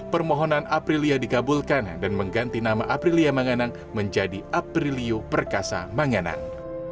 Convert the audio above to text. permohonan aprilia dikabulkan dan mengganti nama aprilia manganang menjadi aprilio perkasa manganang